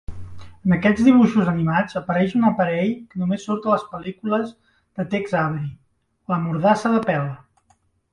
En aquests dibuixos animats apareix un aparell que només surt a les pel·lícules de Tex Avery, la "mordassa de pèl".